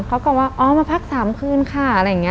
เขาบอกว่าอ๋อมาพัก๓คืนค่ะอะไรอย่างนี้